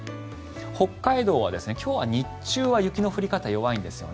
北海道は今日は日中は雪の降り方、弱いんですね。